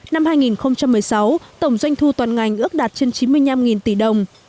năm hai nghìn một mươi sáu tổng doanh thu toàn ngành ước đạt trên chín mươi năm tỷ đồng